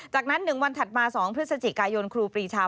จากนั้น๑วันถัดมา๒พฤศจิกายนครูปรีชา